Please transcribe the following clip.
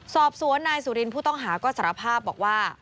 สอบสวนนายสุรินผู้ต้องหาก็สารภาพบอกว่า